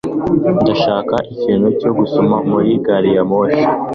Ndashaka ikintu cyo gusoma muri gari ya moshi.